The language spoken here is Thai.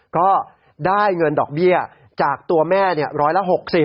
ก็ได้เงินดอกเบี้ยจากตัวแม่ร้อยละ๖๐